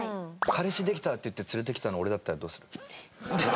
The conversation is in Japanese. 「彼氏できた」って言って連れてきたの俺だったらどうする？